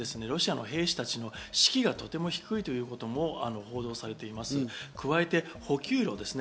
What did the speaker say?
ロシアの兵士たちの士気がとても低いということも報道されています。